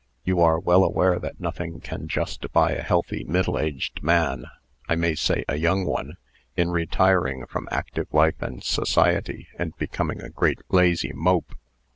You are well aware that nothing can justify a healthy, middle aged man I may say, a young one in retiring from active life and society, and becoming a great lazy mope."